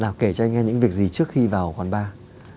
nào kể cho anh nghe những việc gì trước khi vào quán bar